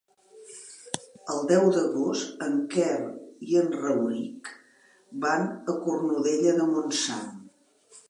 El deu d'agost en Quer i en Rauric van a Cornudella de Montsant.